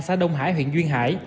xã đông hải huyện duyên hải